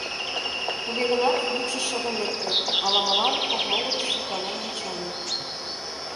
Туге гынат йӱкшӧ шыдын лекте, ала-молан кок могырыш шекланен ончале.